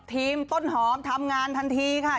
ต้นหอมทำงานทันทีค่ะ